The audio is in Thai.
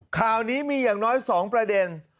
ข่าวนี้มีอย่างน้อย๒ประเด็น